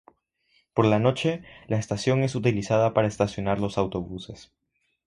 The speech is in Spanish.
Por la noche, la estación es utilizada para estacionar los autobuses.